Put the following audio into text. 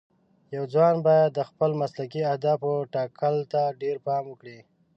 یو ځوان باید د خپلو مسلکي اهدافو ټاکلو ته ډېر پام وکړي.